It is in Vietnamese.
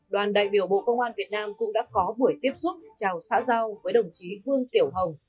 đoàn đại biểu bộ công an việt nam cũng đã có buổi tiếp xúc chào xã giao với đồng chí vương tiểu hồng